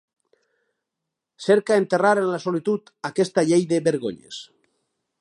Cerca enterrar en la solitud aquesta llei de vergonyes.